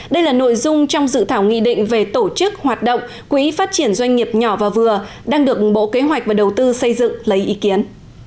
đây là nội dung trong dự thảo nghị định về tổ chức hoạt động quỹ phát triển doanh nghiệp nhỏ và vừa đang được bộ kế hoạch và đầu tư xây dựng lấy ý kiến